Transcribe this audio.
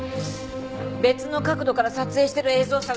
別の角度から撮影してる映像を捜すわよ。